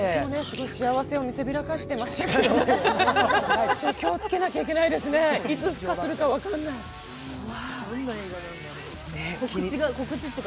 幸せを見せびらかしていますけれども、気をつけなきゃいけないですね、いつふ化するか分からない、怖い。